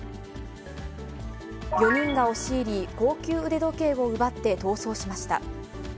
４人が押し入り、高級腕時計を奪って逃走しました。